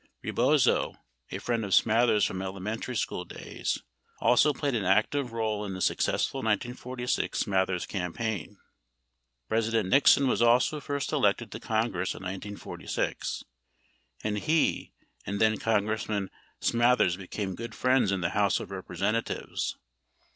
11 Rebozo, a friend of Smathers from elementary school days, also played an active role in the successful 1946 Smathers' campaign. President Nixon was also first elected to Congress in 1946, and he and then Congressman Smathers became good friends in the House of Representatives.